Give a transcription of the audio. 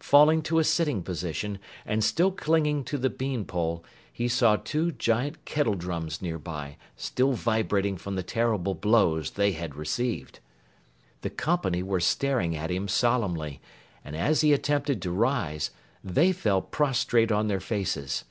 Falling to a sitting position and still clinging to the bean pole, he saw two giant kettle drums nearby, still vibrating from the terrible blows they had received. The company were staring at him solemnly, and as he attempted to rise, they fell prostrate on their faces.